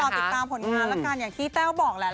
ติดตามผลงานละกันอย่างที่แต้วบอกแหละ